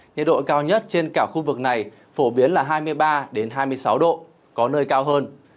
nhiệt độ cao nhất trên cả khu vực này phổ biến là hai mươi ba hai mươi sáu độ có nơi cao hơn